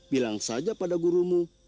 bilang saja pada gurumu